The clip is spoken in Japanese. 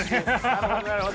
なるほどなるほど。